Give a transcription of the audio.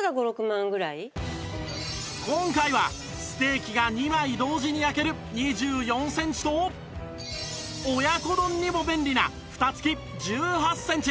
今回はステーキが２枚同時に焼ける２４センチと親子丼にも便利な蓋付き１８センチ